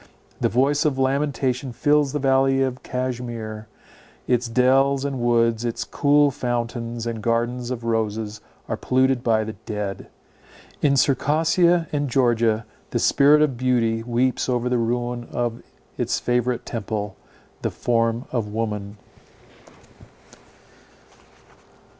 The voice of lamentation fills the valley of Cashmere; its dells and woods, its cool fountains, and gardens of roses, are polluted by the dead; in Circassia and Georgia the spirit of beauty weeps over the ruin of its favourite temple—the form of woman.